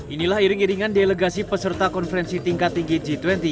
inilah iring iringan delegasi peserta konferensi tingkat tinggi g dua puluh